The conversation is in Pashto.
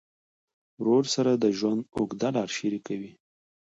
ورور سره د ژوند اوږده لار شریکه وي.